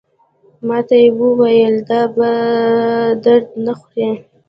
ماته یې وویل دا په درد نه خوري.